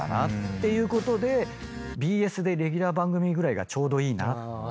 ていうことでＢＳでレギュラー番組ぐらいがちょうどいいなって。